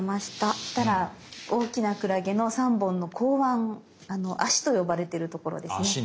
そしたら大きなクラゲの３本の口腕足と呼ばれてるところですね。